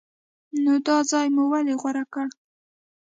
نو دا ځای مو ولې غوره کړ؟